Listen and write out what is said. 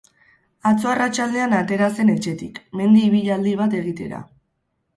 Atzo arratsaldean atera zen etxetik, mendi ibilaldi bat egitera.